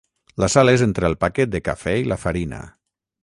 La sal és entre el paquet de cafè i la farina.